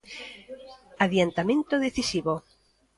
Adiantamento decisivo.